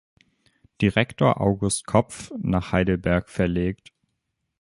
Direktor August Kopff, nach Heidelberg verlegt.